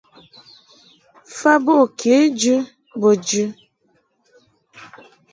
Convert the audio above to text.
Fa bo kejɨ bo jɨ.